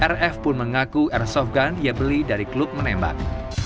rf pun mengaku airsoft gun ia beli dari klub menembak